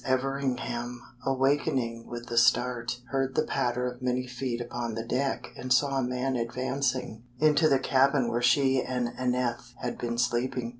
Everingham, awakening with a start, heard the patter of many feet upon the deck and saw a man advancing into the cabin where she and Aneth had been sleeping.